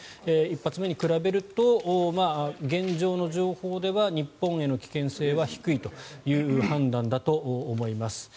１発目に比べると現状の情報では日本への危険性は低いという判断だと思います。